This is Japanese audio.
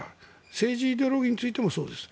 政治イデオロギーについてもそうです。